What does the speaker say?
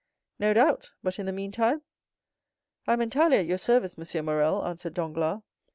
"No doubt; but in the meantime?" "I am entirely at your service, M. Morrel," answered Danglars.